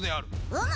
うむ！